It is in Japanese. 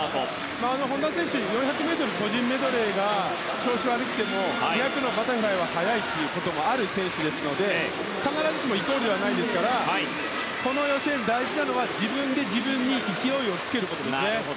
本多選手４００ｍ個人メドレーが調子悪くても２００のバタフライは早いこともある選手なので必ずしも悪くはないですからこの予選大事なのは自分で自分に勢いをつけることですね。